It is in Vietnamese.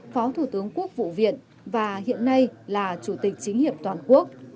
phó thủ tướng quốc vụ viện và hiện nay là chủ tịch chính hiệp toàn quốc